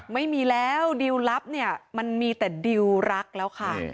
ไม่มีแล้วดิวลลับเนี่ยมันมีแต่ดิวรักแล้วค่ะ